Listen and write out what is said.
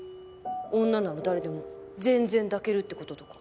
女なら誰でも全然抱けるって事とか。